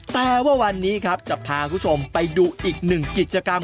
แต่ว่าวันนี้ครับจะพาคุณผู้ชมไปดูอีกหนึ่งกิจกรรม